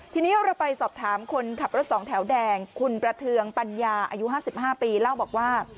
ทีนี้เราไปสอบถามคนขับรถสองแถวแดงคุณประเทืองปัญญาอายุ๕๕ปีเล่าบอกว่า